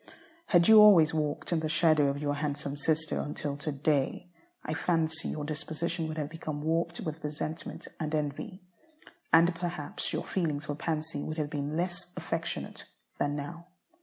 Had you always walked in the shadow of your handsome sister until to day, I fancy your disposition would have become warped with resentment and envy. And perhaps your feelings for Pansy would have been less affectionate than now.